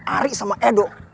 ari sama edo